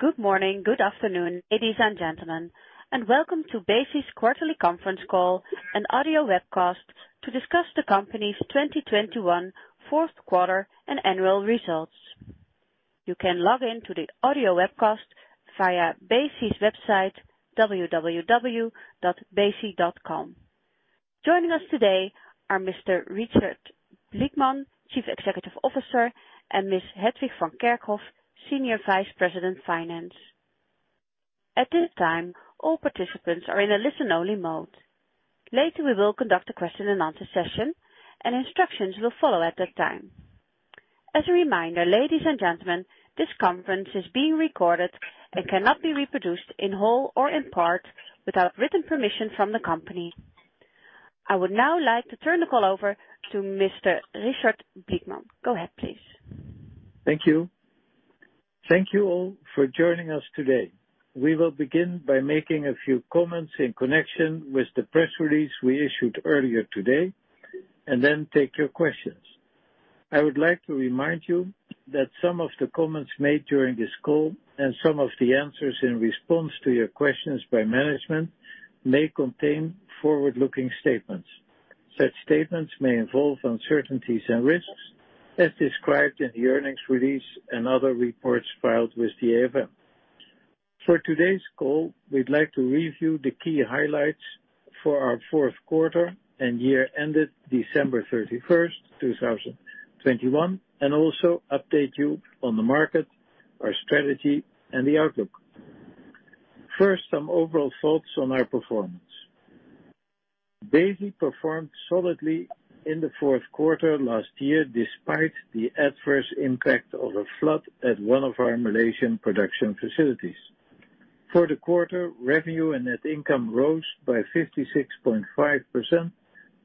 Good morning. Good afternoon, ladies and gentlemen, and welcome to Besi's quarterly conference call and audio webcast to discuss the company's 2021 fourth quarter and annual results. You can log in to the audio webcast via Besi's website, www.besi.com. Joining us today are Mr. Richard Blickman, Chief Executive Officer, and Miss Hetwig van Kerkhof, Senior Vice President, Finance. At this time, all participants are in a listen-only mode. Later, we will conduct a question-and-answer session and instructions will follow at that time. As a reminder, ladies and gentlemen, this conference is being recorded and cannot be reproduced in whole or in part without written permission from the company. I would now like to turn the call over to Mr. Richard Blickman. Go ahead, please. Thank you. Thank you all for joining us today. We will begin by making a few comments in connection with the press release we issued earlier today and then take your questions. I would like to remind you that some of the comments made during this call and some of the answers in response to your questions by management may contain forward-looking statements. Such statements may involve uncertainties and risks as described in the earnings release and other reports filed with the AFM. For today's call, we'd like to review the key highlights for our fourth quarter and year ended December 31, 2021, and also update you on the market, our strategy, and the outlook. First, some overall thoughts on our performance. Besi performed solidly in the fourth quarter last year, despite the adverse impact of a flood at one of our Malaysian production facilities. For the quarter, revenue and net income rose by 56.5%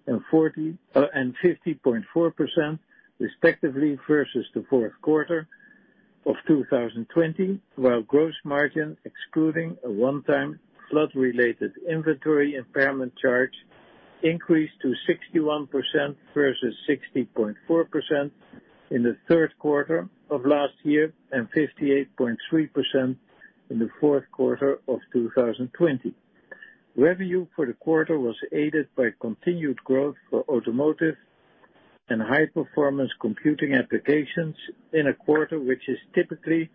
and 50.4%, respectively, versus the fourth quarter of 2020, while gross margin, excluding a one-time flood-related inventory impairment charge, increased to 61% versus 60.4% in the third quarter of last year and 58.3% in the fourth quarter of 2020. Revenue for the quarter was aided by continued growth for automotive and high-performance computing applications in a quarter which is typically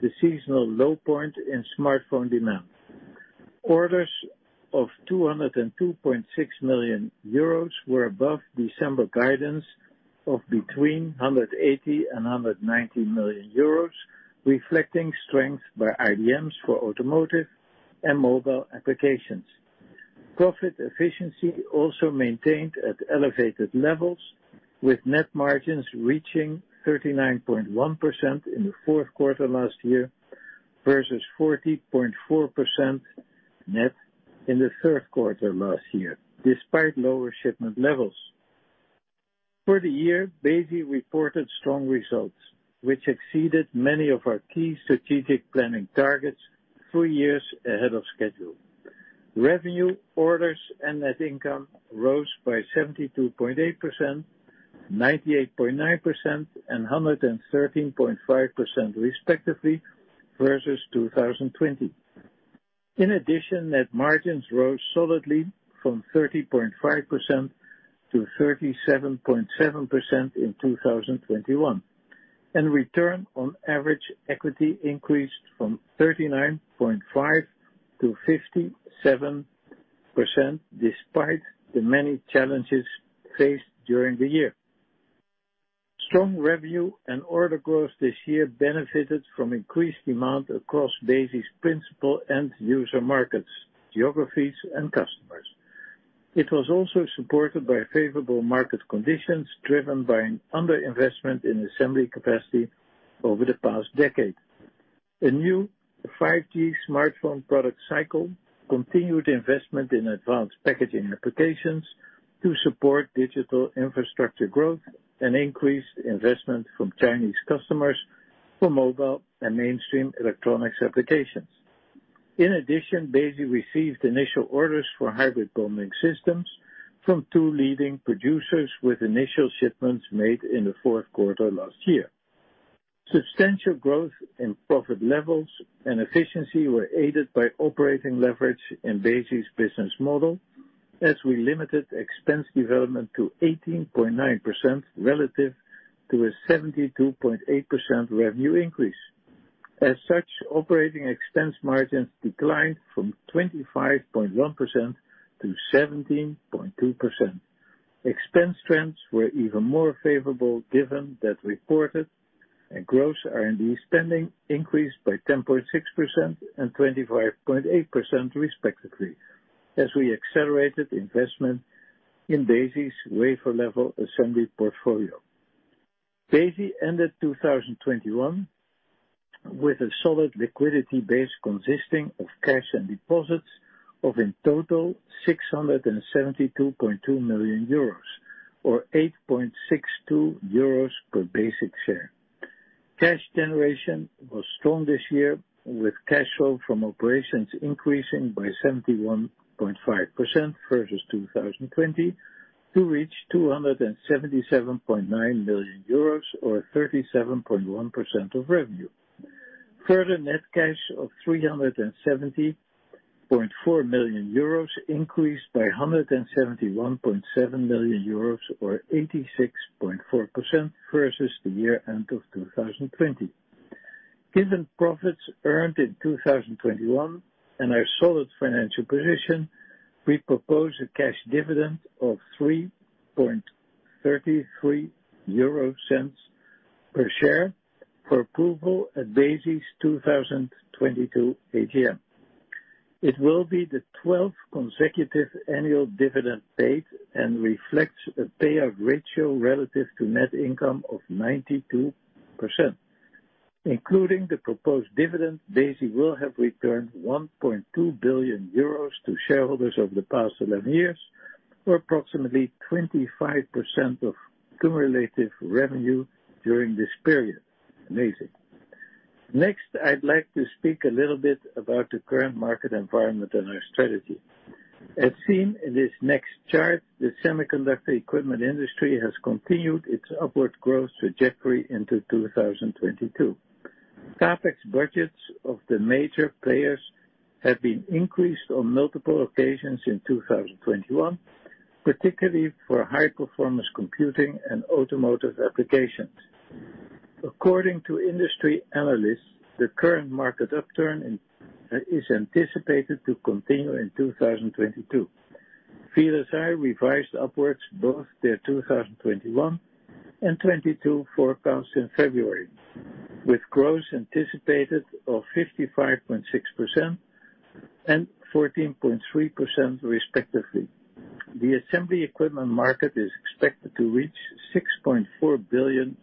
the seasonal low point in smartphone demand. Orders of 202.6 million euros were above December guidance of between 180 million and 190 million euros, reflecting strength by IDMs for automotive and mobile applications. Profit efficiency also maintained at elevated levels, with net margins reaching 39.1% in the fourth quarter last year versus 40.4% net in the third quarter last year, despite lower shipment levels. For the year, Besi reported strong results which exceeded many of our key strategic planning targets three years ahead of schedule. Revenue, orders, and net income rose by 72.8%, 98.9%, and 113.5%, respectively, versus 2020. In addition, net margins rose solidly from 30.5%-37.7% in 2021, and return on average equity increased from 39.5%-57%, despite the many challenges faced during the year. Strong revenue and order growth this year benefited from increased demand across Besi's principal end user markets, geographies, and customers. It was also supported by favorable market conditions, driven by an under-investment in assembly capacity over the past decade, a new 5G smartphone product cycle, continued investment in advanced packaging applications to support digital infrastructure growth, and increased investment from Chinese customers for mobile and mainstream electronics applications. In addition, Besi received initial orders for hybrid bonding systems from two leading producers, with initial shipments made in the fourth quarter last year. Substantial growth in profit levels and efficiency were aided by operating leverage in Besi's business model as we limited expense development to 18.9% relative to a 72.8% revenue increase. As such, operating expense margins declined from 25.1%-17.2%. Expense trends were even more favorable given that reported and gross R&D spending increased by 10.6% and 25.8%, respectively, as we accelerated investment in Besi's wafer level assembly portfolio. Besi ended 2021 with a solid liquidity base consisting of cash and deposits of, in total, 672.2 million euros or 8.62 euros per basic share. Cash generation was strong this year, with cash flow from operations increasing by 71.5% versus 2020 to reach 277.9 million euros or 37.1% of revenue. Further net cash of 370.4 million euros increased by 171.7 million euros or 86.4% versus the year end of 2020. Given profits earned in 2021 and our solid financial position, we propose a cash dividend of 0.0333 per share for approval at Besi's 2022 AGM. It will be the 12th consecutive annual dividend paid and reflects a payout ratio relative to net income of 92%. Including the proposed dividend, Besi will have returned 1.2 billion euros to shareholders over the past 11 years, or approximately 25% of cumulative revenue during this period. Amazing. Next, I'd like to speak a little bit about the current market environment and our strategy. As seen in this next chart, the semiconductor equipment industry has continued its upward growth trajectory into 2022. CapEx budgets of the major players have been increased on multiple occasions in 2021, particularly for high-performance computing and automotive applications. According to industry analysts, the current market upturn is anticipated to continue in 2022. VLSI revised upwards both their 2021 and 2022 forecasts in February, with growth anticipated of 55.6% and 14.3% respectively. The assembly equipment market is expected to reach $6.4 billion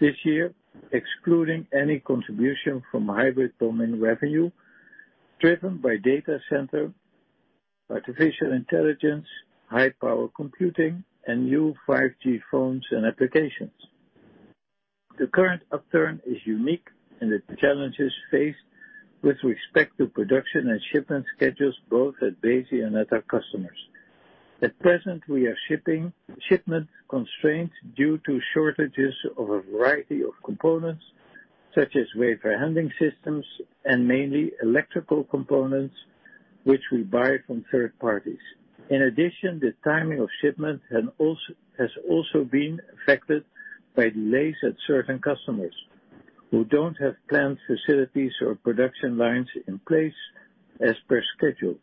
this year, excluding any contribution from hybrid bonding revenue, driven by data center, artificial intelligence, high power computing, and new 5G phones and applications. The current upturn is unique in the challenges faced with respect to production and shipment schedules, both at Besi and at our customers. At present, we are shipment constrained due to shortages of a variety of components such as wafer handling systems and mainly electrical components, which we buy from third parties. In addition, the timing of shipment has also been affected by delays at certain customers who don't have planned facilities or production lines in place as per schedule.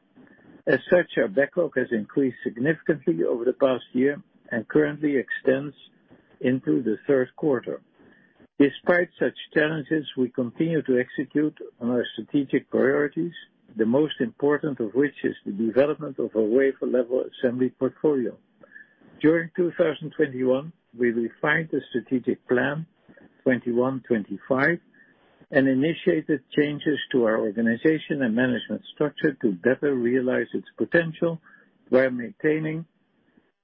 As such, our backlog has increased significantly over the past year and currently extends into the third quarter. Despite such challenges, we continue to execute on our strategic priorities, the most important of which is the development of a wafer-level assembly portfolio. During 2021, we refined the strategic plan 21-25 and initiated changes to our organization and management structure to better realize its potential, while maintaining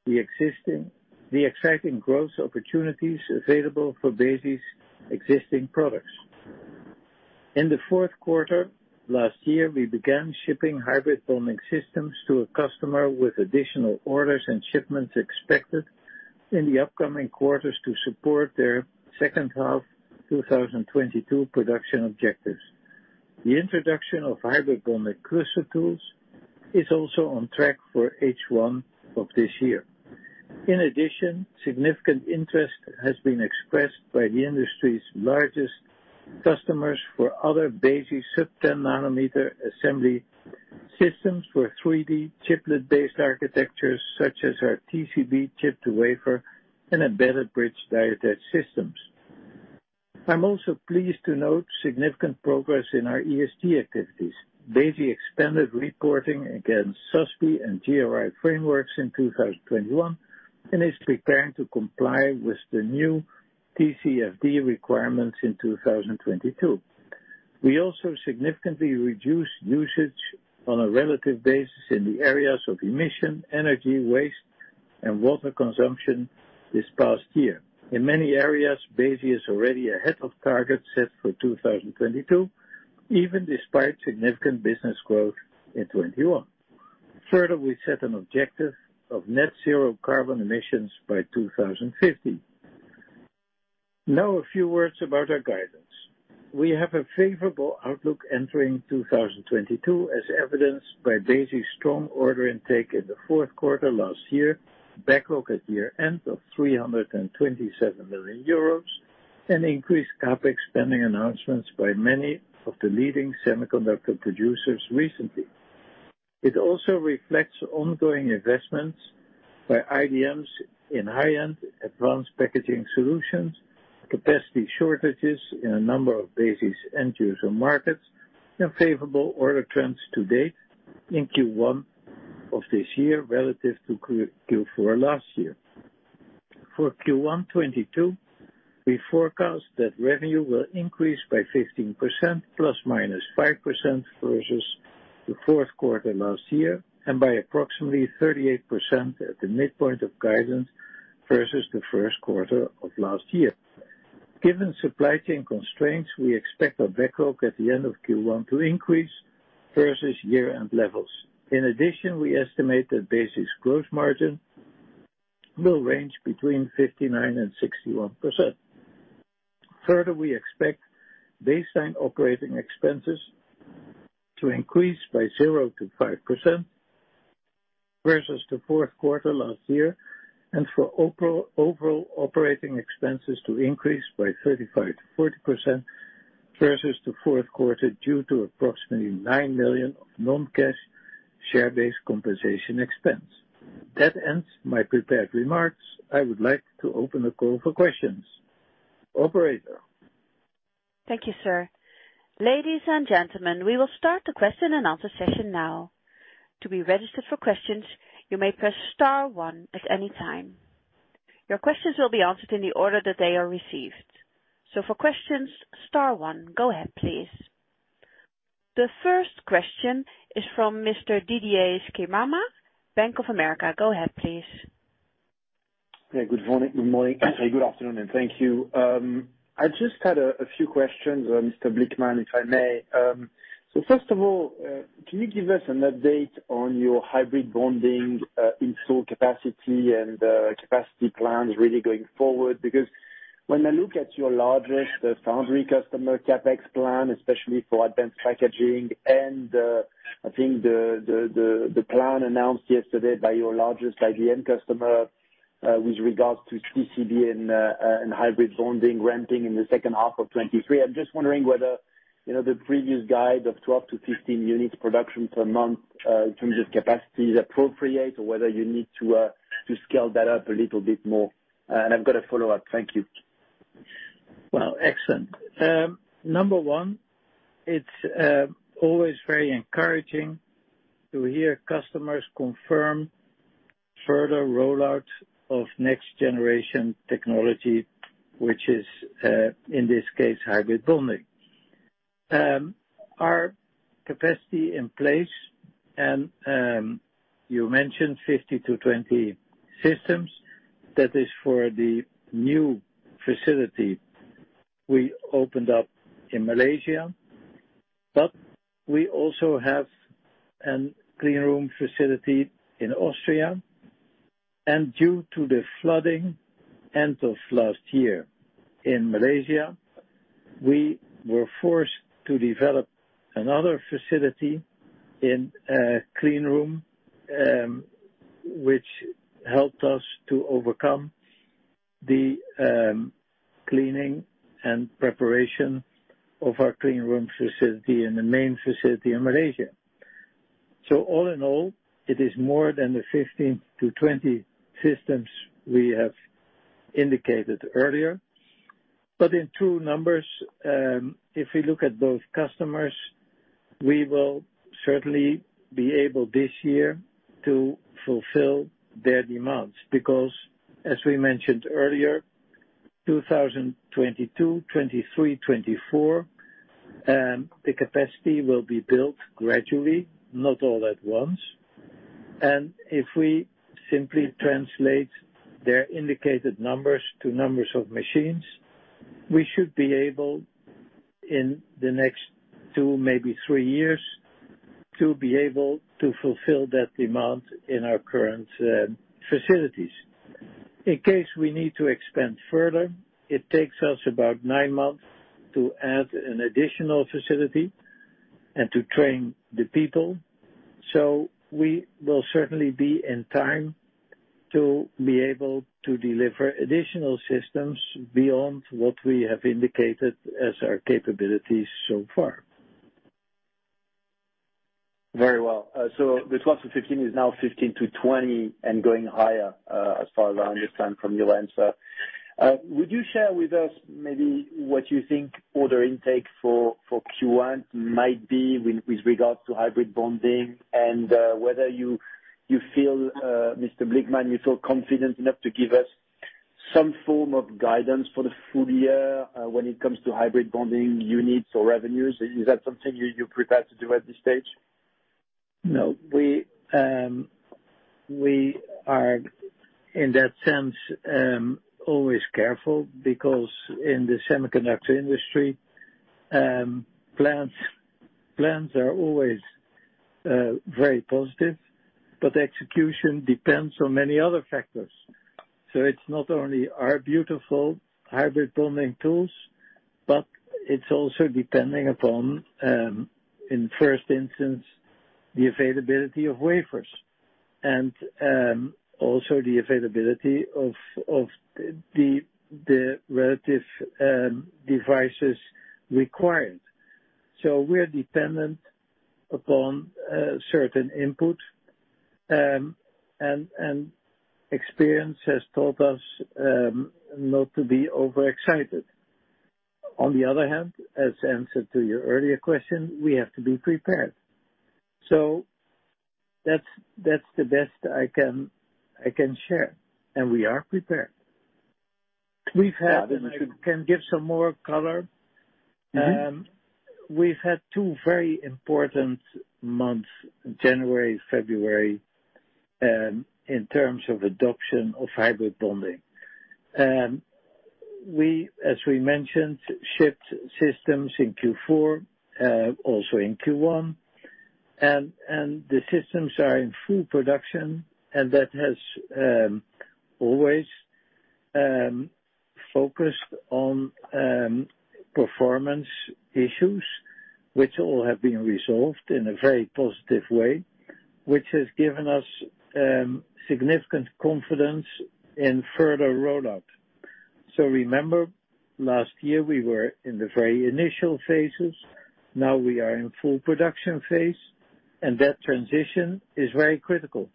the exciting growth opportunities available for Besi's existing products. In the fourth quarter last year, we began shipping hybrid bonding systems to a customer with additional orders and shipments expected in the upcoming quarters to support their second half 2022 production objectives. The introduction of hybrid bonding cluster tools is also on track for H1 of this year. In addition, significant interest has been expressed by the industry's largest customers for other Besi sub-10 nm assembly systems for 3D chiplet-based architectures such as our TCB chip to wafer and embedded bridge die attach systems. I'm also pleased to note significant progress in our ESG activities. Besi expanded reporting against SASB and GRI frameworks in 2021, and is preparing to comply with the new TCFD requirements in 2022. We also significantly reduced usage on a relative basis in the areas of emissions, energy, waste, and water consumption this past year. In many areas, Besi is already ahead of targets set for 2022, even despite significant business growth in 2021. Further, we set an objective of net zero carbon emissions by 2050. Now a few words about our guidance. We have a favorable outlook entering 2022, as evidenced by Besi's strong order intake in the fourth quarter last year, backlog at year-end of 327 million euros, and increased CapEx spending announcements by many of the leading semiconductor producers recently. It also reflects ongoing investments by IDMs in high-end advanced packaging solutions, capacity shortages in a number of Besi's end user markets, and favorable order trends to date in Q1 of this year relative to Q4 last year. For Q1 2022, we forecast that revenue will increase by 15%, ±5% versus the fourth quarter last year, and by approximately 38% at the midpoint of guidance versus the first quarter of last year. Given supply chain constraints, we expect our backlog at the end of Q1 to increase versus year-end levels. In addition, we estimate that basic gross margin will range between 59% and 61%. Further, we expect baseline operating expenses to increase by 0%-5% versus the fourth quarter last year, and for overall operating expenses to increase by 35%-40% versus the fourth quarter due to approximately 9 million of non-cash share-based compensation expense. That ends my prepared remarks. I would like to open the call for questions. Operator? Thank you, sir. Ladies and gentlemen, we will start the question and answer session now. To be registered for questions, you may press star one at any time. Your questions will be answered in the order that they are received. For questions, star one, go ahead, please. The first question is from Mr. Didier Scemama, Bank of America. Go ahead, please. Yeah, good morning. Good morning. Good afternoon, and thank you. I just had a few questions, Mr. Blickman, if I may. So first of all, can you give us an update on your hybrid bonding installed capacity and capacity plans really going forward? Because when I look at your largest foundry customer CapEx plan, especially for advanced packaging and I think the plan announced yesterday by your largest IDM customer with regards to 3D and hybrid bonding ramping in the second half of 2023, I'm just wondering whether, you know, the previous guide of 12-15 units production per month in terms of capacity is appropriate or whether you need to scale that up a little bit more. I've got a follow-up. Thank you. Well, excellent. Number one, it's always very encouraging to hear customers confirm further rollout of next generation technology, which is, in this case, hybrid bonding. Our capacity in place and you mentioned 15-20 systems. That is for the new facility we opened up in Malaysia, but we also have a clean room facility in Austria. Due to the flooding end of last year in Malaysia, we were forced to develop another facility in a clean room, which helped us to overcome the cleaning and preparation of our clean room facility in the main facility in Malaysia. All in all, it is more than the 15-20 systems we have indicated earlier. In true numbers, if we look at both customers, we will certainly be able this year to fulfill their demands, because as we mentioned earlier, 2022, 2023, 2024, the capacity will be built gradually, not all at once. If we simply translate their indicated numbers to numbers of machines, we should be able in the next two, maybe three years, to be able to fulfill that demand in our current facilities. In case we need to expand further, it takes us about nine months to add an additional facility and to train the people. We will certainly be in time to be able to deliver additional systems beyond what we have indicated as our capabilities so far. Very well. The 12-15 is now 15-20 and going higher, as far as I understand from your answer. Would you share with us maybe what you think order intake for Q1 might be with regards to hybrid bonding and whether you feel, Mr. Blickman, confident enough to give us some form of guidance for the full year, when it comes to hybrid bonding units or revenues? Is that something you're prepared to do at this stage? No, we are in that sense always careful because in the semiconductor industry, plans are always very positive, but execution depends on many other factors. It's not only our beautiful hybrid bonding tools, but it's also depending upon in first instance the availability of wafers and also the availability of the relative devices required. We're dependent upon certain input, and experience has taught us not to be overexcited. On the other hand, as answered to your earlier question, we have to be prepared. That's the best I can share. We are prepared. We've had two very important months, January, February, in terms of adoption of hybrid bonding. We, as we mentioned, shipped systems in Q4, also in Q1, and the systems are in full production, and that has always focused on performance issues which all have been resolved in a very positive way, which has given us significant confidence in further rollout. Remember last year we were in the very initial phases, now we are in full production phase, and that transition is very critical.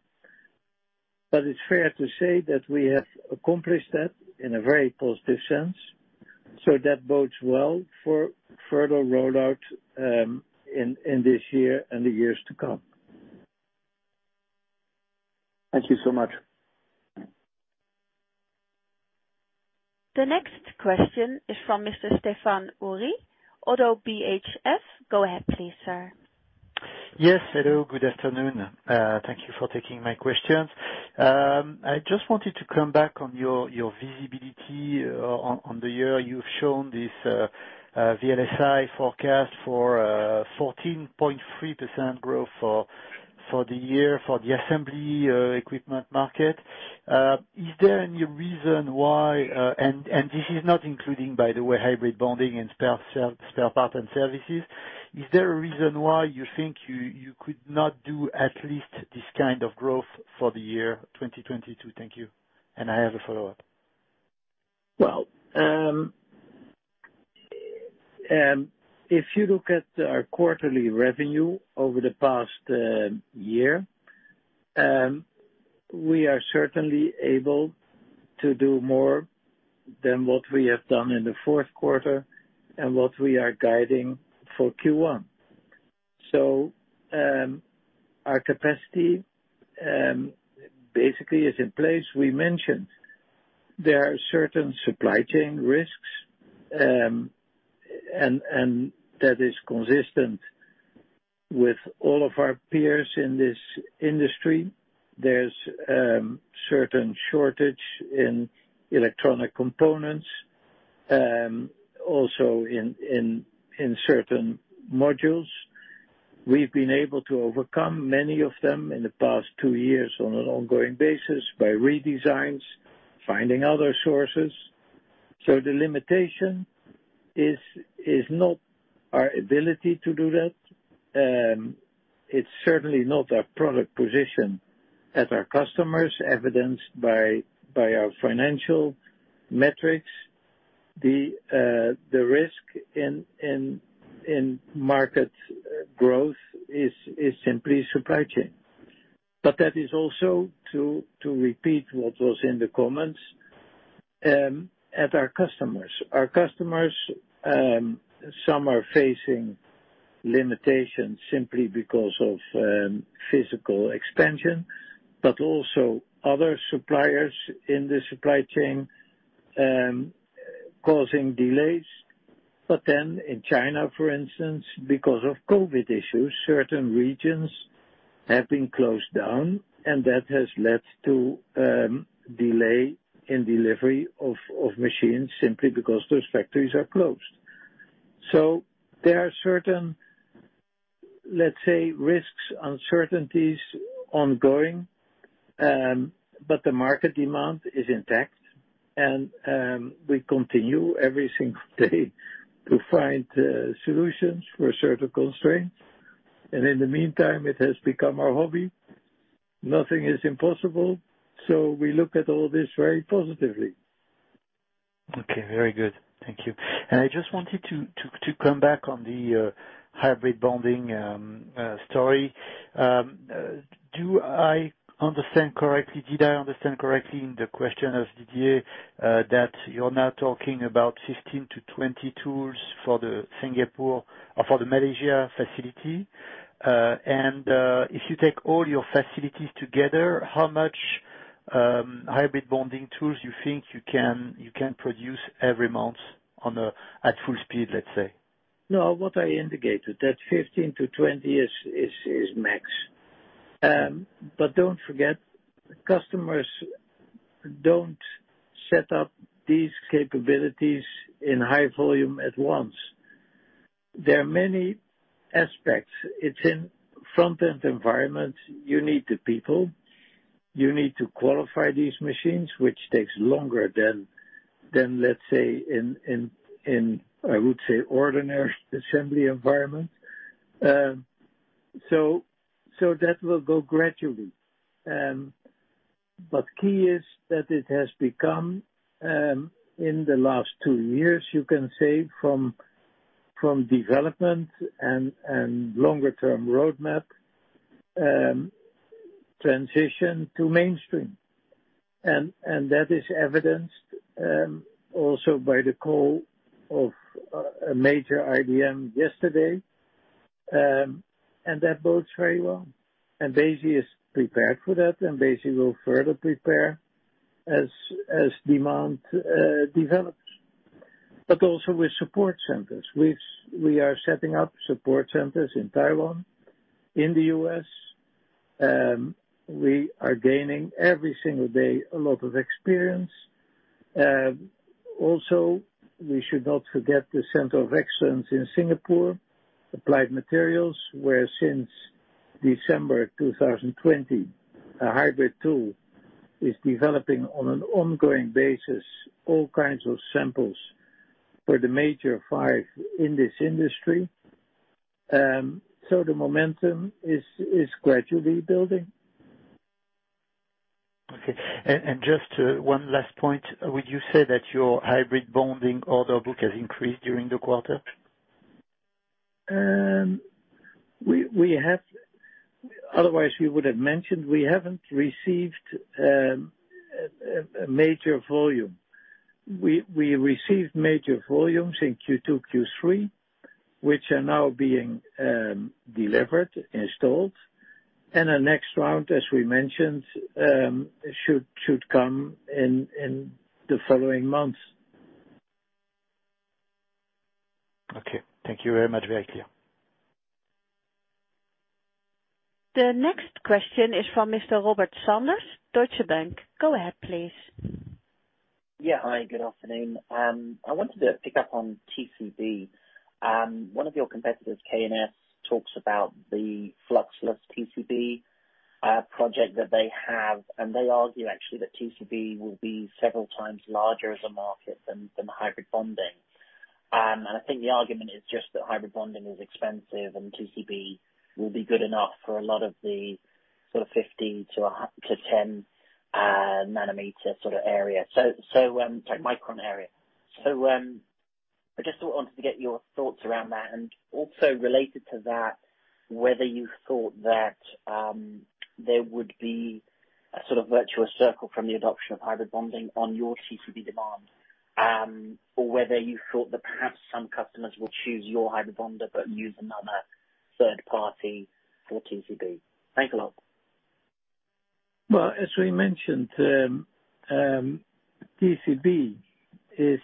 It's fair to say that we have accomplished that in a very positive sense. That bodes well for further rollout in this year and the years to come. Thank you so much. The next question is from Mr. Stéphane Houri, Oddo BHF. Go ahead, please, sir. Yes, hello, good afternoon. Thank you for taking my questions. I just wanted to come back on your visibility on the year. You've shown this VLSI forecast for 14.3% growth for the year for the assembly equipment market. Is there any reason why this is not including, by the way, hybrid bonding and spare parts and services. Is there a reason why you think you could not do at least this kind of growth for the year 2022? Thank you. I have a follow-up. Well, if you look at our quarterly revenue over the past year, we are certainly able to do more than what we have done in the fourth quarter and what we are guiding for Q1. Our capacity basically is in place. We mentioned there are certain supply chain risks, and that is consistent with all of our peers in this industry. There's certain shortage in electronic components, also in certain modules. We've been able to overcome many of them in the past two years on an ongoing basis by redesigns, finding other sources. The limitation is not our ability to do that. It's certainly not our product position at our customers, evidenced by our financial metrics. The risk in market growth is simply supply chain. That is also to repeat what was in the comments at our customers. Our customers, some are facing limitations simply because of physical expansion, but also other suppliers in the supply chain causing delays. In China, for instance, because of COVID issues, certain regions have been closed down, and that has led to delay in delivery of machines simply because those factories are closed. There are certain, let's say, risks, uncertainties ongoing, but the market demand is intact and we continue every single day to find solutions for certain constraints. In the meantime, it has become our hobby. Nothing is impossible, so we look at all this very positively. Okay, very good. Thank you. I just wanted to come back on the hybrid bonding story. Do I understand correctly in the question of Didier that you're now talking about 15-20 tools for the Singapore or for the Malaysia facility? If you take all your facilities together, how many hybrid bonding tools do you think you can produce every month at full speed, let's say? No, what I indicated, that 15-20 is max. Customers don't set up these capabilities in high volume at once. There are many aspects. It's in front-end environment. You need the people. You need to qualify these machines, which takes longer than, let's say, in, I would say, ordinary assembly environment. That will go gradually. Key is that it has become, in the last two years, you can say from development and longer-term roadmap, transition to mainstream. That is evidenced, also by the call of a major IDM yesterday, and that bodes very well. Besi is prepared for that, and Besi will further prepare as demand develops. Also with support centers, which we are setting up support centers in Taiwan, in the U.S. We are gaining every single day a lot of experience. Also, we should not forget the center of excellence in Singapore, Applied Materials, where since December 2020, a hybrid tool is developing on an ongoing basis, all kinds of samples for the major five in this industry. The momentum is gradually building. Okay. Just one last point. Would you say that your hybrid bonding order book has increased during the quarter? We have. Otherwise, we would have mentioned we haven't received a major volume. We received major volumes in Q2, Q3, which are now being delivered, installed, and the next round, as we mentioned, should come in the following months. Okay. Thank you very much. Very clear. The next question is from Mr. Robert Sanders, Deutsche Bank. Go ahead, please. Yeah. Hi, good afternoon. I wanted to pick up on TCB. One of your competitors, K&S, talks about the fluxless TCB project that they have, and they argue actually that TCB will be several times larger as a market than hybrid bonding. I think the argument is just that hybrid bonding is expensive and TCB will be good enough for a lot of the sort of 50-10 micron area. I just wanted to get your thoughts around that. Also related to that, whether you thought that there would be a sort of virtuous circle from the adoption of hybrid bonding on your TCB demand, or whether you thought that perhaps some customers will choose your hybrid bonder but use another third party for TCB. Thanks a lot. Well, as we mentioned, TCB is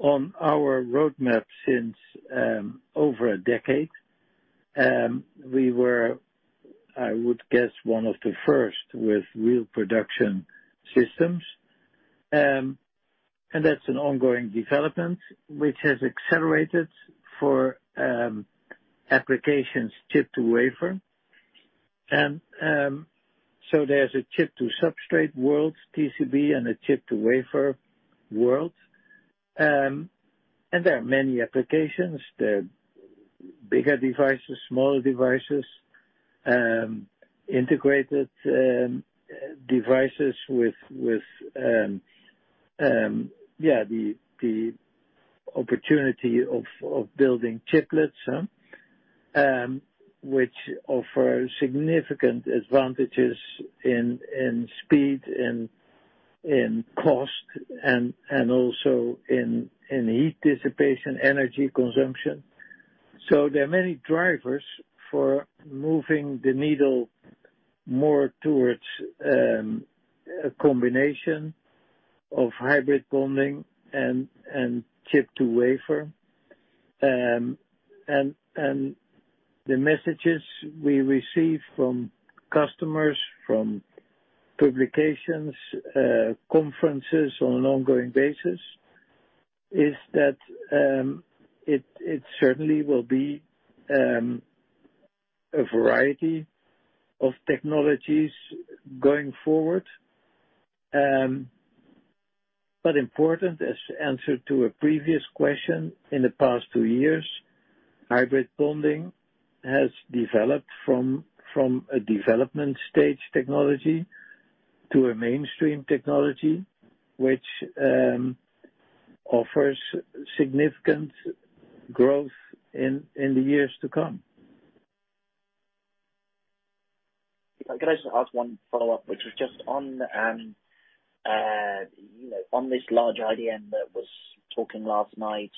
on our roadmap since over a decade. We were, I would guess, one of the first with real production systems. That's an ongoing development which has accelerated for applications chip-to-wafer. There's a chip-to-substrate world, TCB, and a chip-to-wafer world. There are many applications. There are bigger devices, smaller devices, integrated devices with the opportunity of building chiplets. Which offer significant advantages in speed, in cost, and also in heat dissipation, energy consumption. There are many drivers for moving the needle more towards a combination of hybrid bonding and chip-to-wafer. The messages we receive from customers, from publications, conferences on an ongoing basis, is that it certainly will be a variety of technologies going forward. Important, as answered to a previous question, in the past two years, hybrid bonding has developed from a development stage technology to a mainstream technology, which offers significant growth in the years to come. Can I just ask one follow-up, which is just on the, you know, on this large IDM that was talking last night,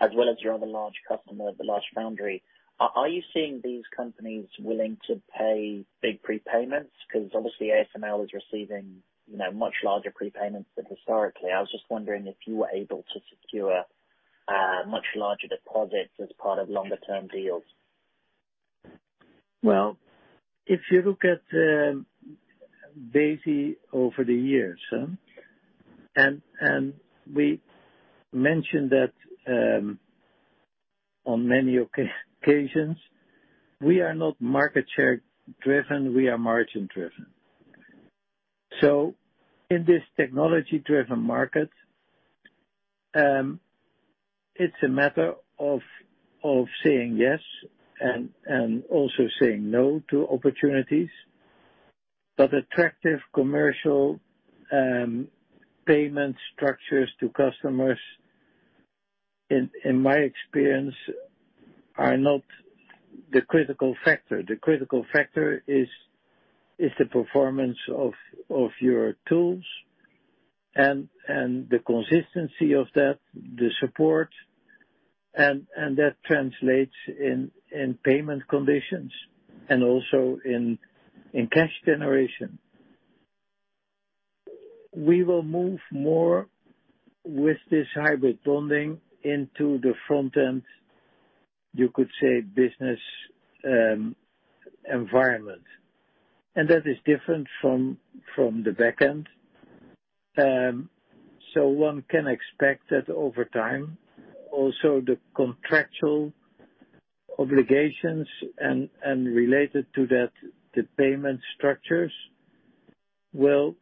as well as your other large customer, the large foundry. Are you seeing these companies willing to pay big prepayments? 'Cause obviously Besi is receiving, you know, much larger prepayments than historically. I was just wondering if you were able to secure much larger deposits as part of longer term deals. Well, if you look at Besi over the years, and we mentioned that on many occasions, we are not market share driven, we are margin driven. In this technology-driven market, it's a matter of saying yes and also saying no to opportunities. Attractive commercial payment structures to customers, in my experience, are not the critical factor. The critical factor is the performance of your tools. The consistency of that, the support, and that translates in payment conditions and also in cash generation. We will move more with this hybrid bonding into the front end, you could say, business environment. That is different from the back end. One can expect that over time, also the contractual obligations and related to that, the payment structures will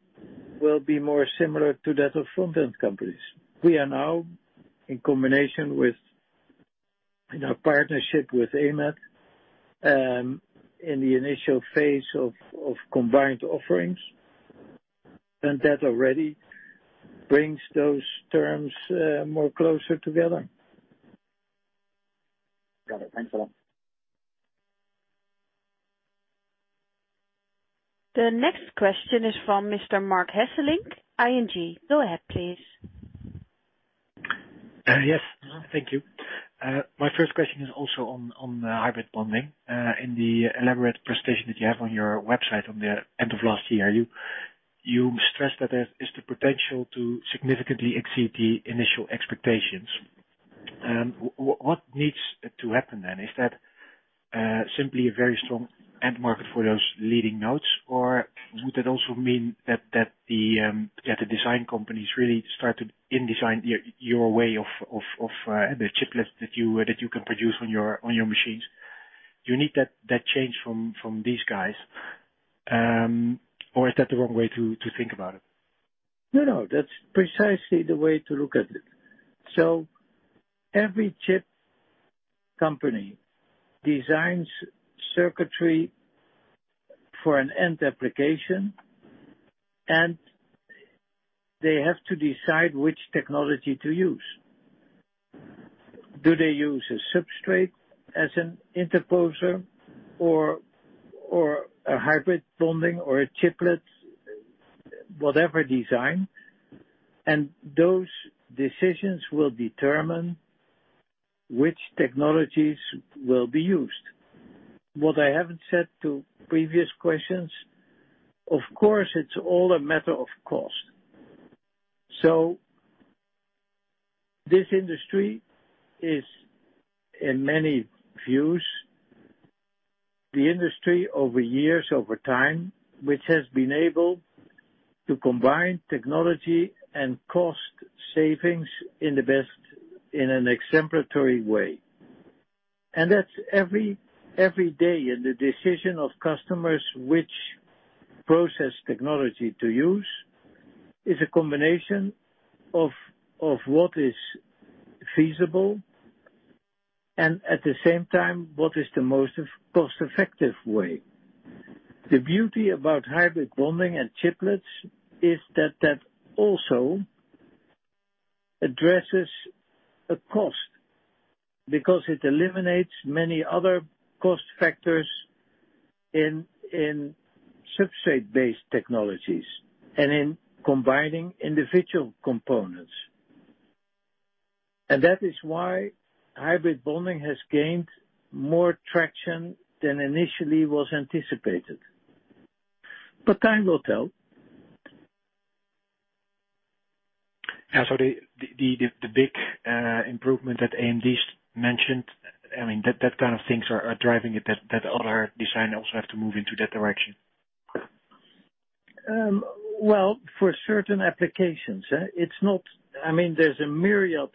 be more similar to that of front-end companies. We are now in combination with our partnership with AMAT, in the initial phase of combined offerings, and that already brings those terms more closer together. Got it. Thanks a lot. The next question is from Mr. Marc Hesselink, ING. Go ahead, please. Yes. Thank you. My first question is also on hybrid bonding. In the elaborate presentation that you have on your website at the end of last year, you stressed that there is the potential to significantly exceed the initial expectations. What needs to happen then? Is that simply a very strong end market for those leading nodes? Or would that also mean that the design companies really start to indeed design your way of the chiplets that you can produce on your machines? You need that change from these guys, or is that the wrong way to think about it? No, no, that's precisely the way to look at it. Every chip company designs circuitry for an end application, and they have to decide which technology to use. Do they use a substrate as an interposer or a hybrid bonding or a chiplet, whatever design. Those decisions will determine which technologies will be used. What I haven't said to previous questions, of course, it's all a matter of cost. This industry is, in many views, the industry over years, over time, which has been able to combine technology and cost savings in the best, in an exemplary way. That's every day in the decision of customers which process technology to use is a combination of what is feasible and at the same time, what is the most cost-effective way. The beauty about hybrid bonding and chiplets is that also addresses a cost because it eliminates many other cost factors in substrate-based technologies and in combining individual components. That is why hybrid bonding has gained more traction than initially was anticipated. Time will tell. Yeah. The big improvement that AMD mentioned, I mean, that kind of things are driving it, that other design also have to move into that direction. Well, for certain applications, it's not. I mean, there's a myriad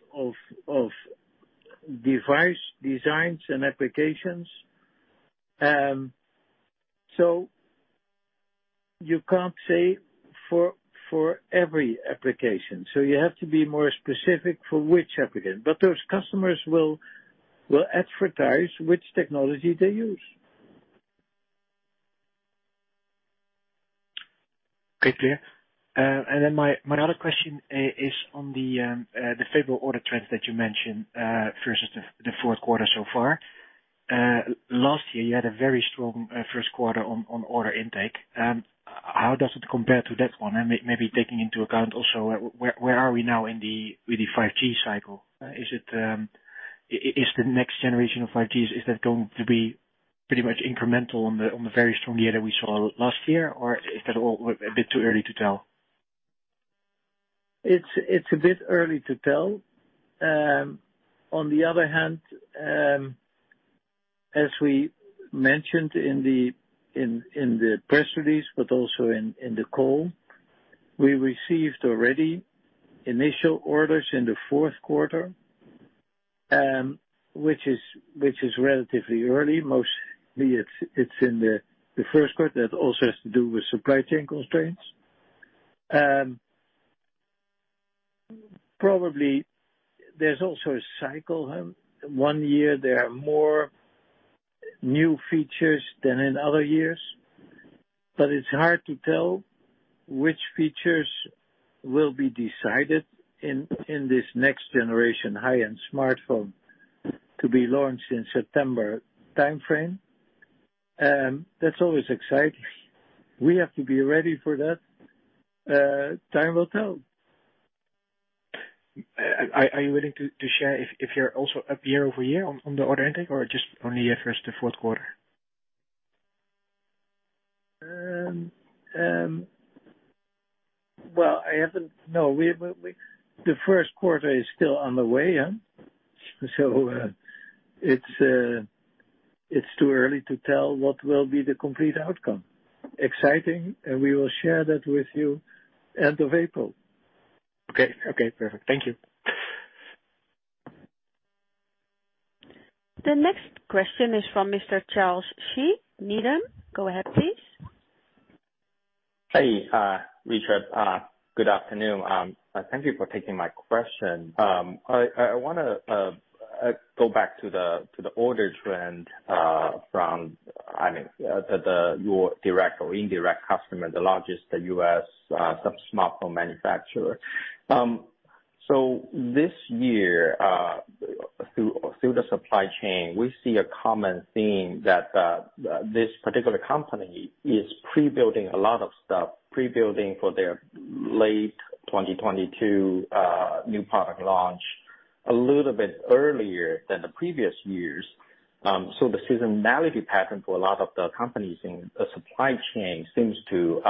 of device designs and applications. You can't say for every application. You have to be more specific for which application. Those customers will advertise which technology they use. Okay. Clear. My other question is on the favorable order trends that you mentioned versus the fourth quarter so far. Last year, you had a very strong first quarter on order intake. How does it compare to that one? Maybe taking into account also where are we now with the 5G cycle? Is the next generation of 5G's going to be pretty much incremental on the very strong year that we saw last year, or is that all a bit too early to tell? It's a bit early to tell. On the other hand, as we mentioned in the press release, but also in the call, we received already initial orders in the fourth quarter, which is relatively early. Mostly it's in the first quarter. That also has to do with supply chain constraints. Probably there's also a cycle. One year, there are more new features than in other years, but it's hard to tell which features will be decided in this next generation high-end smartphone to be launched in September timeframe. That's always exciting. We have to be ready for that. Time will tell. Are you willing to share if you're also up year-over-year on the order intake or just only your first and fourth quarter? Well, the first quarter is still on the way, yeah? It's too early to tell what will be the complete outcome, exciting, and we will share that with you end of April. Okay. Okay. Perfect. Thank you. The next question is from Mr. Charles Shi, Needham. Go ahead, please. Hey, Richard. Good afternoon. Thank you for taking my question. I wanna go back to the order trend from, I mean, your direct or indirect customer, the largest U.S. sub smartphone manufacturer. This year, through the supply chain, we see a common theme that this particular company is pre-building a lot of stuff, pre-building for their late 2022 new product launch a little bit earlier than the previous years. The seasonality pattern for a lot of the companies in the supply chain seems to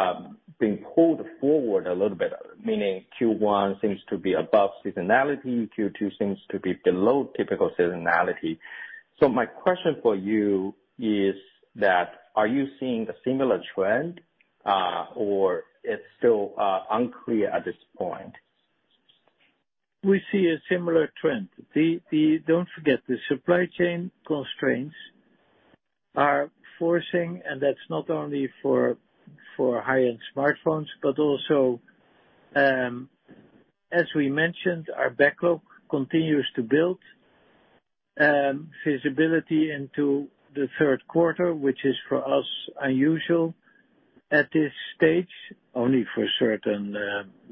being pulled forward a little bit, meaning Q1 seems to be above seasonality, Q2 seems to be below typical seasonality. My question for you is that, are you seeing a similar trend, or it's still unclear at this point? We see a similar trend. Don't forget, the supply chain constraints are forcing, and that's not only for high-end smartphones, but also, as we mentioned, our backlog continues to build, visibility into the third quarter, which is for us unusual at this stage, only for certain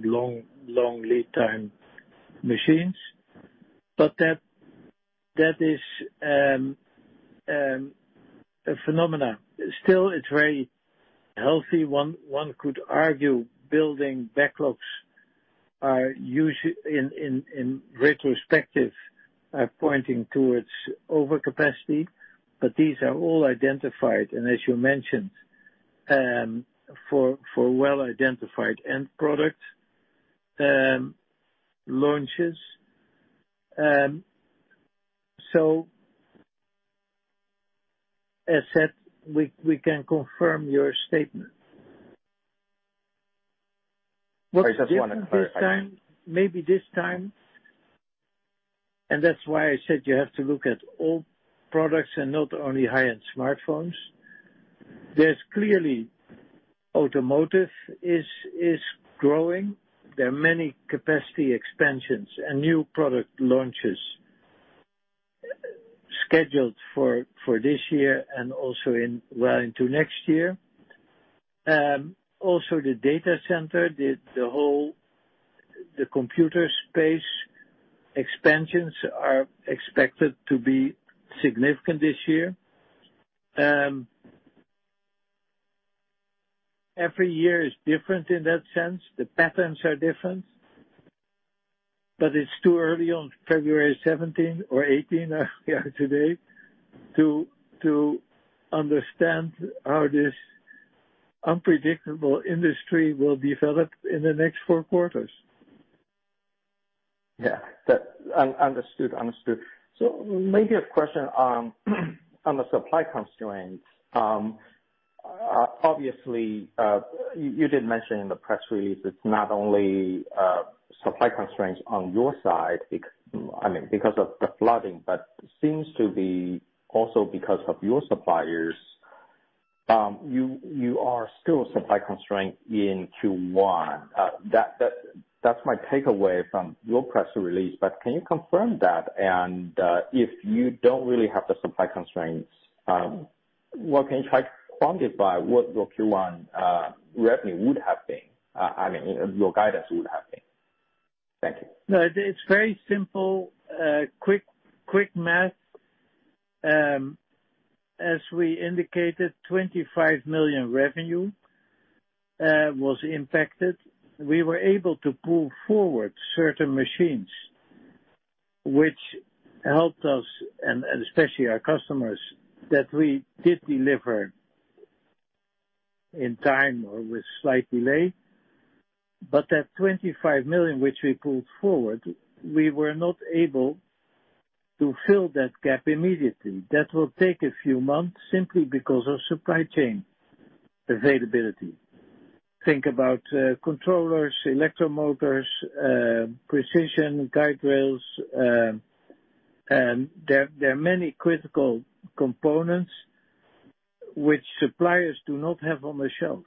long lead time machines. But that is a phenomenon. Still, it's very healthy. One could argue building backlogs are usually, in retrospect, pointing towards overcapacity, but these are all identified, and as you mentioned, for well-identified end products, launches. As said, we can confirm your statement. I just wanna clarify. Maybe this time, and that's why I said you have to look at all products and not only high-end smartphones. There's clearly automotive is growing. There are many capacity expansions and new product launches scheduled for this year and also well into next year. Also the data center, the whole computer space expansions are expected to be significant this year. Every year is different in that sense. The patterns are different, but it's too early on February 17th or 18th today to understand how this unpredictable industry will develop in the next four quarters. Understood. Maybe a question on the supply constraints. Obviously, you did mention in the press release it's not only supply constraints on your side because of the flooding, but seems to be also because of your suppliers. You are still supply constrained in Q1. That's my takeaway from your press release, but can you confirm that? If you don't really have the supply constraints, well, can you try quantify what your Q1 revenue would have been? I mean, your guidance would have been. Thank you. No, it is very simple. Quick math. As we indicated, 25 million revenue was impacted. We were able to pull forward certain machines which helped us and especially our customers that we did deliver in time or with slight delay. That 25 million which we pulled forward, we were not able to fill that gap immediately. That will take a few months simply because of supply chain availability. Think about controllers, electric motors, precision guide rails. There are many critical components which suppliers do not have on the shelf.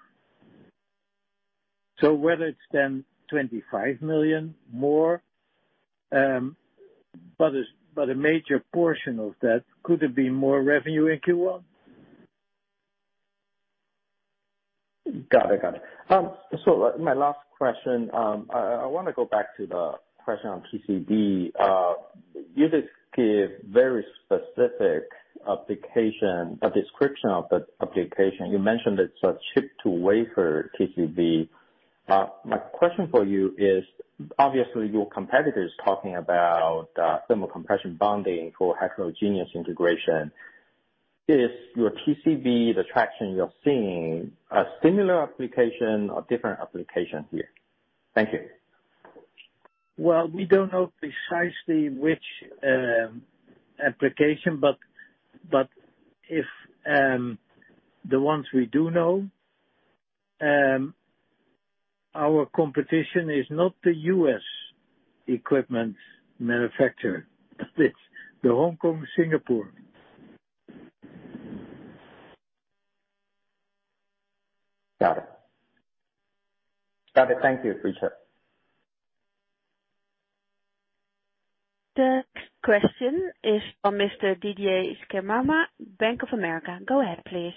Whether it is then 25 million more, but a major portion of that could have been more revenue in Q1. My last question, I wanna go back to the question on TCB. You just gave very specific application, a description of the application. You mentioned it's a chip-to-wafer TCB. My question for you is, obviously your competitor is talking about thermal compression bonding for heterogeneous integration. Is your TCB, the traction you're seeing, a similar application or different application here? Thank you. Well, we don't know precisely which application, but if the ones we do know, our competition is not the U.S. equipment manufacturer, it's the Hong Kong, Singapore. Got it. Thank you, Richard. The next question is from Mr. Didier Scemama, Bank of America. Go ahead, please.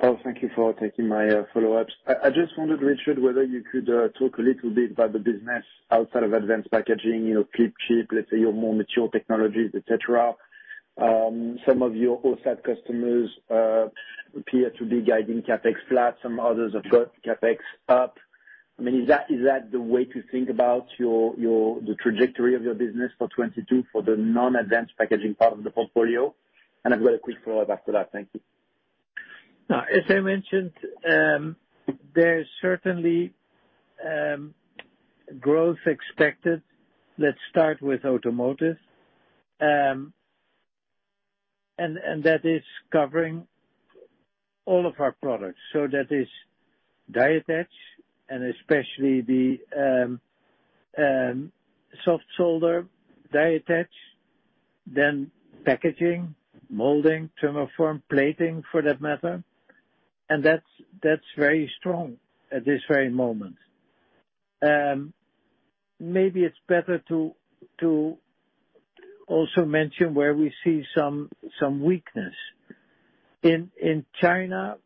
Oh, thank you for taking my follow-ups. I just wondered, Richard, whether you could talk a little bit about the business outside of advanced packaging, you know, flip chip, let's say your more mature technologies, et cetera. Some of your OSAT customers appear to be guiding CapEx flat, some others have got CapEx up. I mean, is that the way to think about the trajectory of your business for 2022 for the non-advanced packaging part of the portfolio? I've got a quick follow-up after that. Thank you. Now, as I mentioned, there's certainly growth expected, let's start with automotive, and that is covering all of our products. So that is die attach, and especially the soft solder die attach, then packaging, molding, trim and form, plating for that matter, and that's very strong at this very moment. Maybe it's better to also mention where we see some weakness. In China,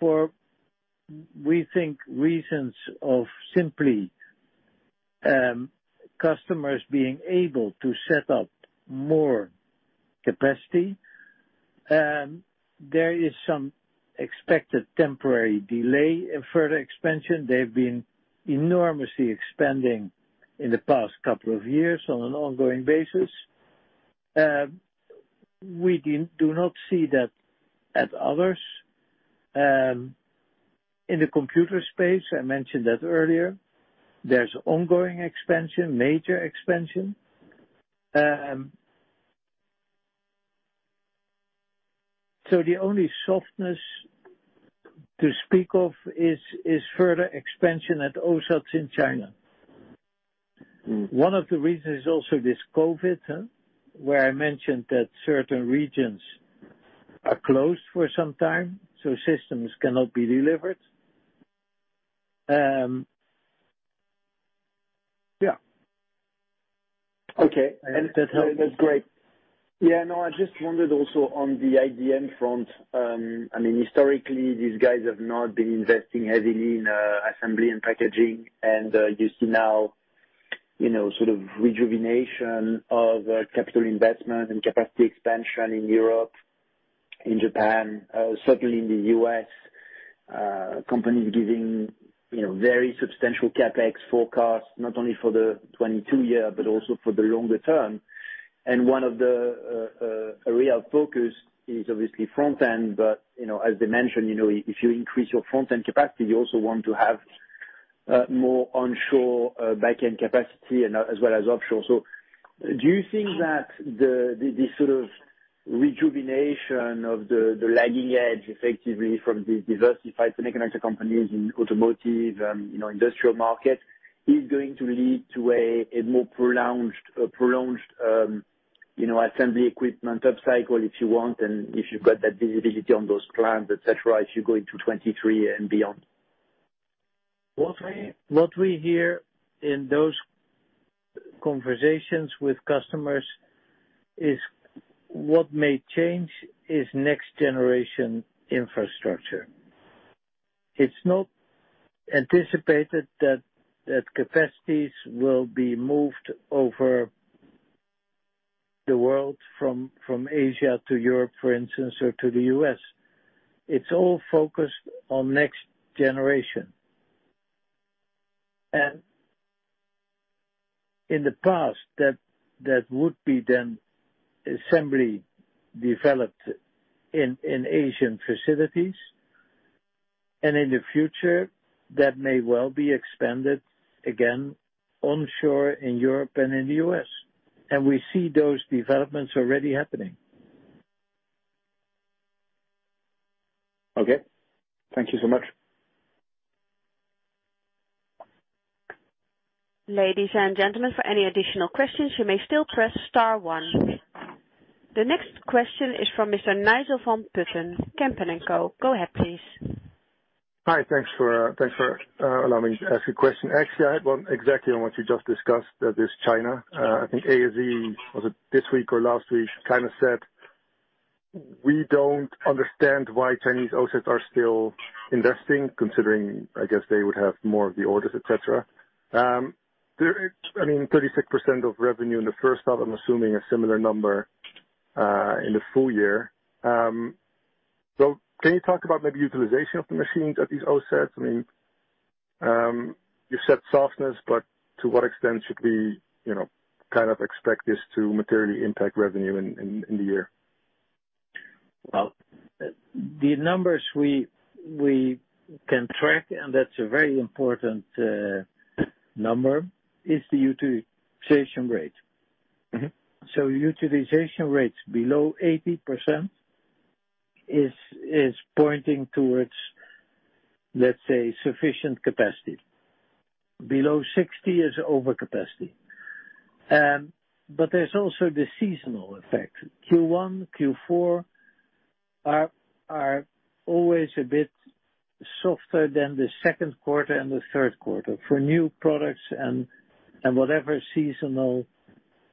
for, we think, reasons of simply customers being able to set up more capacity, there is some expected temporary delay in further expansion. They've been enormously expanding in the past couple of years on an ongoing basis. We do not see that at others. In the computer space, I mentioned that earlier, there's ongoing expansion, major expansion. The only softness to speak of is further expansion at OSATs in China. One of the reasons is also this COVID, where I mentioned that certain regions are closed for some time, so systems cannot be delivered. Yeah. Okay. If that helps. That's great. Yeah, no, I just wondered also on the IDM front, I mean, historically these guys have not been investing heavily in assembly and packaging and you see now, you know, sort of rejuvenation of capital investment and capacity expansion in Europe, in Japan, certainly in the U.S., companies giving, you know, very substantial CapEx forecasts, not only for the 2022 year, but also for the longer term. One of the real focuses is obviously front-end, but you know, as they mentioned, you know, if you increase your front-end capacity, you also want to have more onshore back-end capacity and as well as offshore. Do you think that this sort of rejuvenation of the lagging edge effectively from the diversified semiconductor companies in automotive, industrial markets, is going to lead to a more prolonged assembly equipment upcycle, if you want, and if you've got that visibility on those clients, et cetera, as you go into 2023 and beyond? What we hear in those conversations with customers is what may change is next generation infrastructure. It's not anticipated that capacities will be moved over the world from Asia to Europe, for instance, or to the U.S. It's all focused on next generation. In the past, that would be then assembly developed in Asian facilities, and in the future, that may well be expanded again onshore in Europe and in the U.S., and we see those developments already happening. Okay. Thank you so much. Ladies and gentlemen, for any additional questions, you may still press star one. The next question is from Mr. Nigel van Putten, Kempen & Co. Go ahead, please. Hi, thanks for allowing me to ask a question. Actually, I had one exactly on what you just discussed, that is China. I think ASE, was it this week or last week, kind of said, "We don't understand why Chinese OSATs are still investing," considering, I guess, they would have more of the orders, et cetera. I mean, 36% of revenue in the first half, I'm assuming a similar number in the full year. Can you talk about maybe utilization of the machines at these OSATs? I mean, you said softness, but to what extent should we, you know, kind of expect this to materially impact revenue in the year? Well, the numbers we can track, and that's a very important number, is the utilization rate. Mm-hmm. Utilization rates below 80% is pointing towards, let's say, sufficient capacity. Below 60% is over capacity. There's also the seasonal effect. Q1, Q4 are always a bit softer than the second quarter and the third quarter for new products and whatever seasonal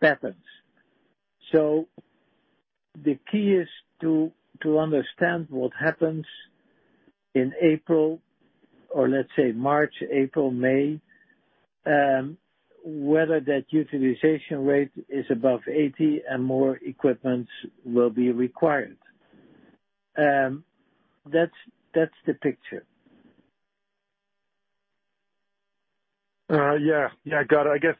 patterns. The key is to understand what happens in April, or let's say March, April, May, whether that utilization rate is above 80% and more equipment will be required. That's the picture. Yeah, got it. I guess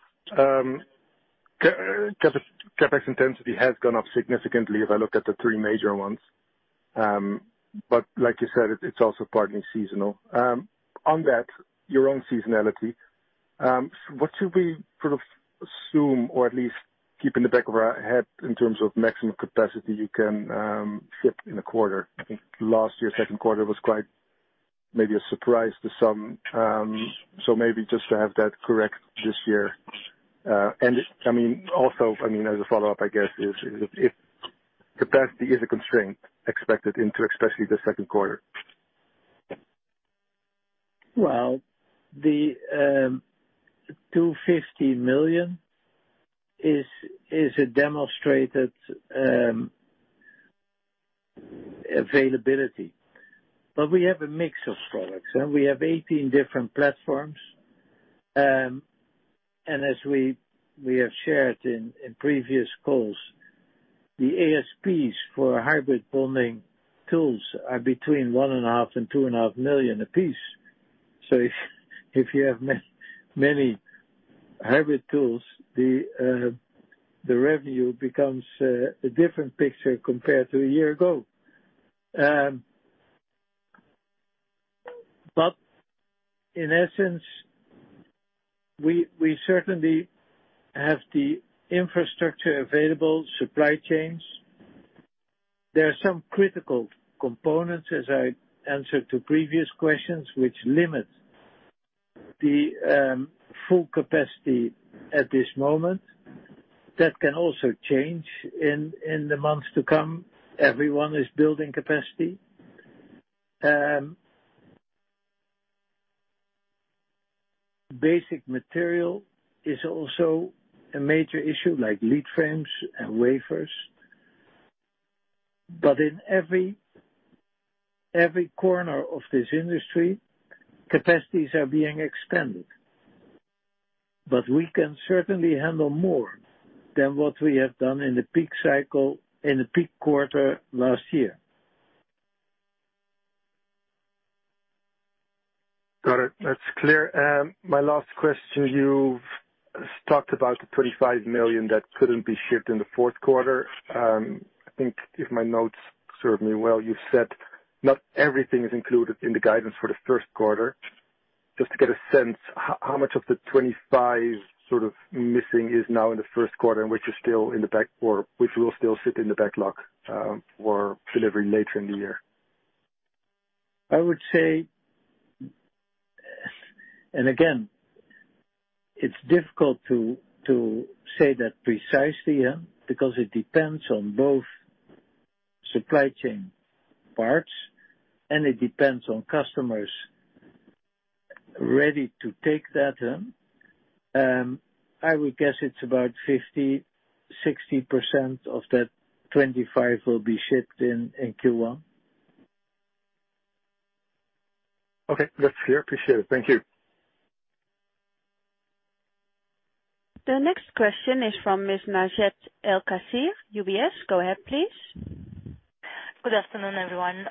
CapEx intensity has gone up significantly as I look at the three major ones. Like you said, it's also partly seasonal. On that, your own seasonality, what should we sort of assume or at least keep in the back of our head in terms of maximum capacity you can ship in a quarter? I think last year's second quarter was quite maybe a surprise to some. Maybe just to have that correct this year. Also, as a follow-up, I guess, is if capacity is a constraint expected into especially the second quarter. Well, the 250 million is a demonstrated availability. We have a mix of products, and we have 18 different platforms. As we have shared in previous calls, the ASPs for hybrid bonding tools are between 1.5 million and 2.5 million a piece. If you have many hybrid tools, the revenue becomes a different picture compared to a year ago. In essence, we certainly have the infrastructure available, supply chains. There are some critical components, as I answered to previous questions, which limit the full capacity at this moment. That can also change in the months to come. Everyone is building capacity. Basic material is also a major issue, like lead frames and wafers. In every corner of this industry, capacities are being expanded. We can certainly handle more than what we have done in the peak cycle, in the peak quarter last year. Got it. That's clear. My last question, you've talked about the 25 million that couldn't be shipped in the fourth quarter. I think if my notes serve me well, you said not everything is included in the guidance for the first quarter. Just to get a sense, how much of the 25 sort of missing is now in the first quarter, and which is still in the backlog or which will still sit in the backlog for delivery later in the year? I would say again, it's difficult to say that precisely, yeah, because it depends on both supply chain parts, and it depends on customers ready to take that in. I would guess it's about 50%-60% of that 25 will be shipped in Q1. Okay. That's clear. I appreciate it. Thank you. The next question is from Miss Najet El Kassir, UBS. Go ahead, please. Good afternoon, everyone.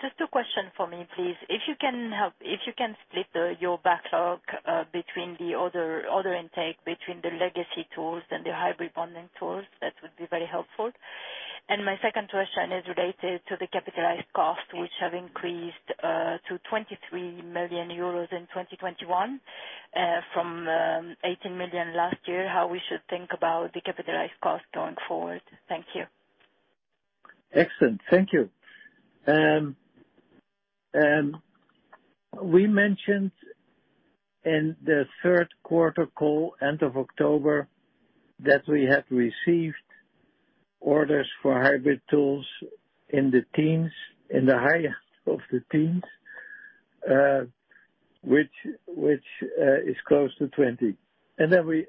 Just two questions from me, please. If you can split your backlog, your order intake, between the legacy tools and the hybrid bonding tools, that would be very helpful. My second question is related to the capitalized cost, which have increased to 23 million euros in 2022 from 18 million last year. How we should think about the capitalized cost going forward. Thank you. Excellent. Thank you. We mentioned in the third quarter call, end of October, that we had received orders for hybrid tools in the teens, in the high teens, which is close to 20. We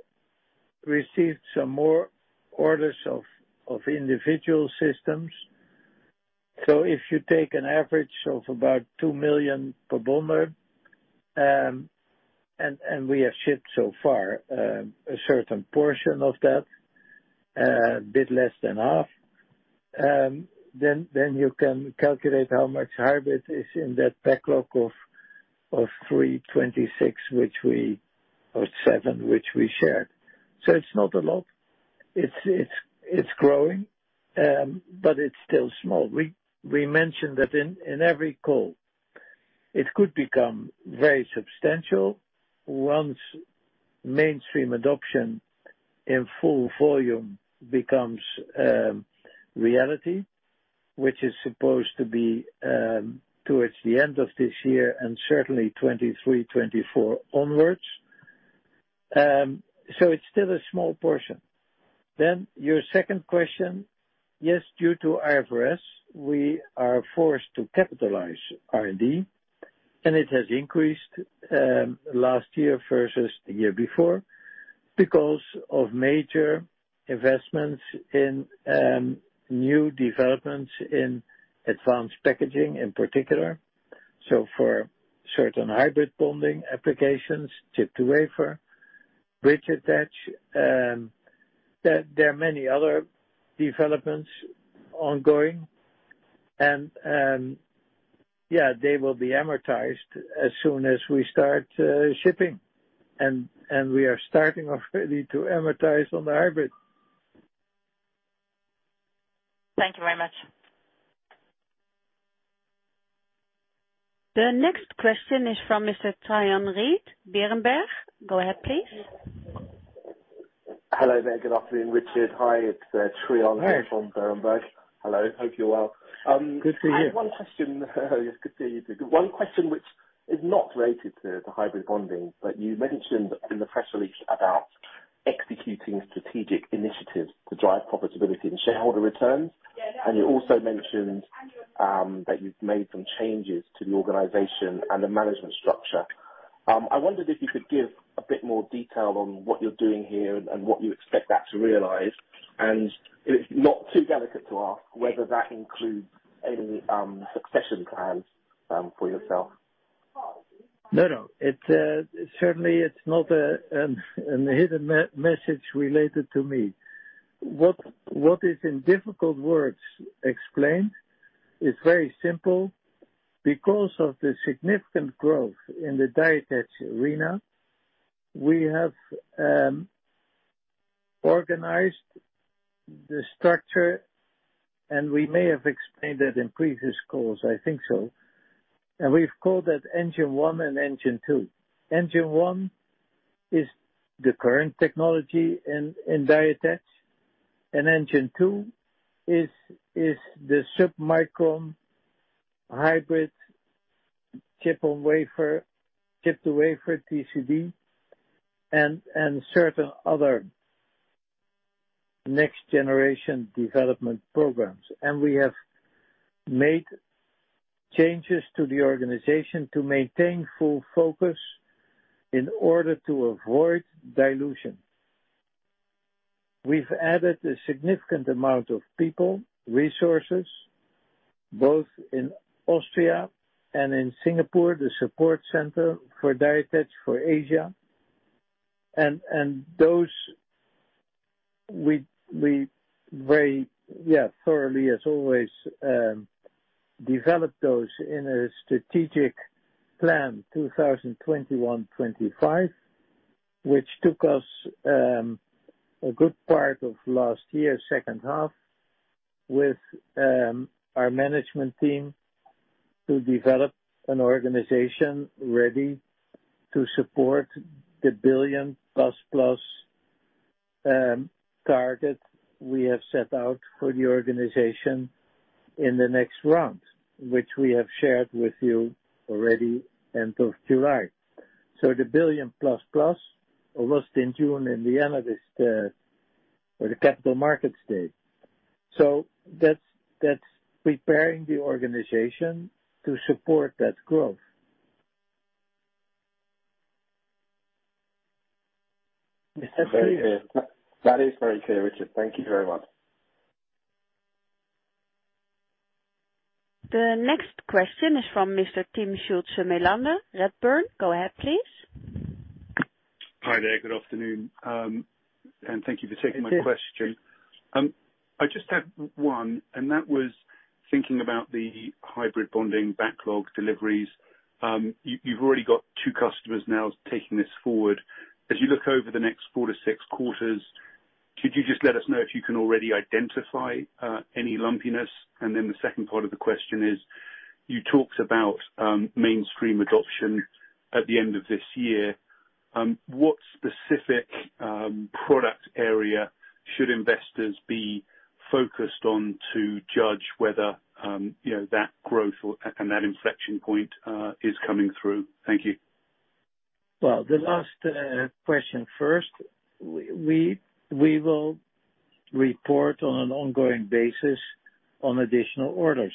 received some more orders of individual systems. If you take an average of about 2 million per bonder, and we have shipped so far a certain portion of that, a bit less than half, then you can calculate how much hybrid is in that backlog of 326 million or 327 million which we shared. It's not a lot. It's growing, but it's still small. We mentioned that in every call. It could become very substantial once mainstream adoption in full volume becomes reality, which is supposed to be towards the end of this year and certainly 2023, 2024 onwards. It's still a small portion. Your second question, yes, due to IFRS, we are forced to capitalize R&D, and it has increased last year versus the year before because of major investments in new developments in advanced packaging in particular. For certain hybrid bonding applications, chip to wafer, bridge attach, there are many other developments ongoing and they will be amortized as soon as we start shipping. We are starting already to amortize on the hybrid. Thank you very much. The next question is from Mr. Trion Reid, Berenberg. Go ahead, please. Hello there. Good afternoon, Richard. Hi, it's Trion Reid- Hey From Berenberg. Hello. Hope you're well. Good to hear you. I have one question yes, good to hear you too. One question which is not related to hybrid bonding, but you mentioned in the press release about executing strategic initiatives to drive profitability and shareholder returns. You also mentioned that you've made some changes to the organization and the management structure. I wondered if you could give a bit more detail on what you're doing here and what you expect that to realize, and if it's not too delicate to ask, whether that includes any succession plans for yourself. No, no. It certainly it's not a hidden message related to me. What is in difficult words explained is very simple. Because of the significant growth in the die attach arena, we have organized the structure, and we may have explained that in previous calls, I think so. We've called that Engine 1 and Engine 2. Engine 1 is the current technology in die attach, and Engine 2 is the submicron hybrid chip on wafer, chip to wafer TCB and certain other next generation development programs. We have made changes to the organization to maintain full focus in order to avoid dilution. We've added a significant amount of people, resources, both in Austria and in Singapore, the support center for die attach for Asia. Those very thoroughly as always developed those in a strategic plan 2021-2025, which took us a good part of last year, second half, with our management team to develop an organization ready to support the 1 billion plus target we have set out for the organization in the next round, which we have shared with you already end of July. The 1 billion plus, plus, almost in June, in the end of this, or the Capital Markets Day. That's preparing the organization to support that growth. That is very clear, Richard. Thank you very much. The next question is from Mr. Timm Schulze-Melander, Redburn. Go ahead, please. Hi there. Good afternoon, and thank you for taking my question. I just had one, and that was thinking about the hybrid bonding backlog deliveries. You've already got two customers now taking this forward. As you look over the next four to six quarters, could you just let us know if you can already identify any lumpiness? Then the second part of the question is, you talked about mainstream adoption at the end of this year. What specific product area should investors be focused on to judge whether you know that growth or and that inflection point is coming through? Thank you. Well, the last question first. We will report on an ongoing basis on additional orders.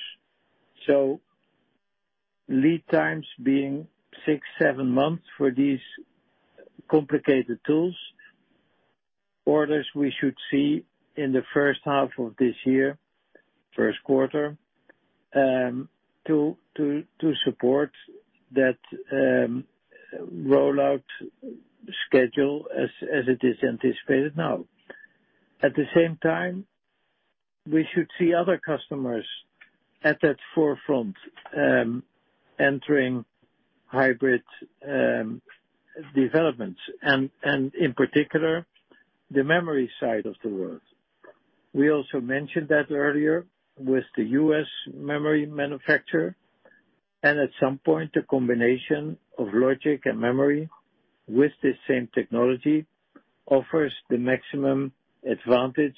Lead times being six, seven months for these complicated tools. Orders we should see in the first half of this year, first quarter, to support that rollout schedule as it is anticipated now. At the same time, we should see other customers at that forefront, entering hybrid developments and in particular, the memory side of the world. We also mentioned that earlier with the U.S. memory manufacturer, and at some point, the combination of logic and memory with the same technology offers the maximum advantage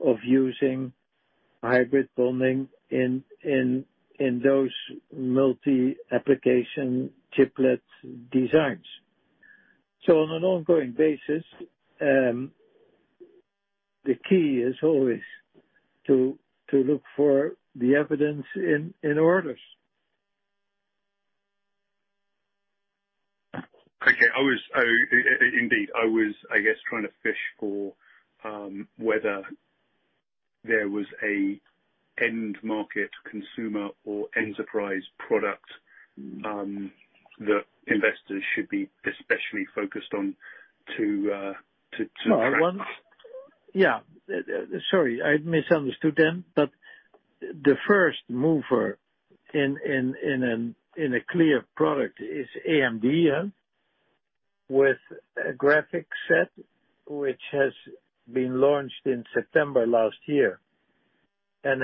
of using hybrid bonding in those multi-application chiplet designs. On an ongoing basis, the key is always to look for the evidence in orders. Okay. Indeed, I was, I guess, trying to fish for whether there was an end market consumer or enterprise product that investors should be especially focused on to Yeah. Sorry, I misunderstood then. The first mover in a clear product is AMD with a graphics which has been launched in September last year and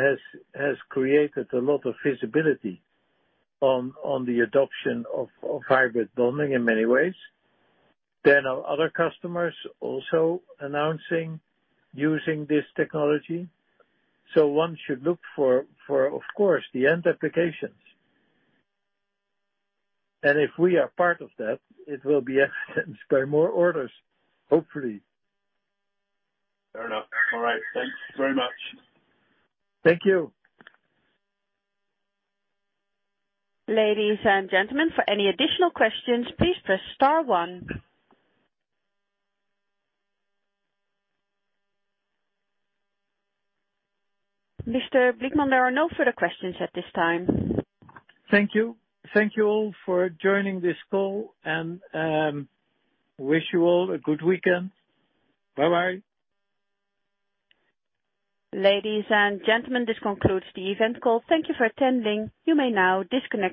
has created a lot of visibility on the adoption of hybrid bonding in many ways. Our other customers also announcing using this technology. One should look for, of course, the end applications. If we are part of that, it will be evidenced by more orders, hopefully. Fair enough. All right. Thanks very much. Thank you. Ladies and gentlemen, for any additional questions, please press star one. Mr. Blickman, there are no further questions at this time. Thank you. Thank you all for joining this call and wish you all a good weekend. Bye-bye. Ladies and gentlemen, this concludes the event call. Thank you for attending. You may now disconnect your-